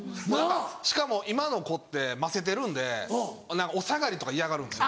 しかも今の子ってませてるんでお下がりとか嫌がるんです。